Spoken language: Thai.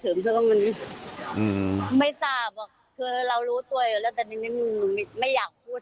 ถึงเพราะมันไม่ทราบคือเรารู้ตัวอยู่แล้วแต่ไม่อยากพูด